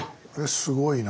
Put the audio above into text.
すごいな。